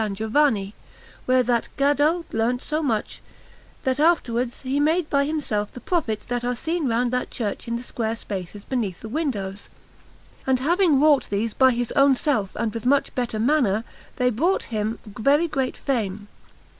Giovanni, where that Gaddo learnt so much that afterwards he made by himself the Prophets that are seen round that church in the square spaces beneath the windows; and having wrought these by his own self and with much better manner, they brought him very great fame.